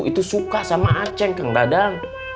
itu suka sama aceng kang dadeng